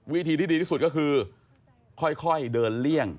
วิธีที่ดีที่สุดก็คือค่อยเดินเลี่ยง